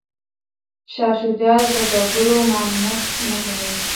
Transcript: شاه شجاع د سوداګرو ممانعت نه کوي.